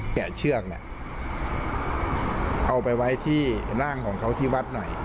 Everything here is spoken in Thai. เชือกเนี่ยเอาไปไว้ที่ร่างของเขาที่วัดหน่อย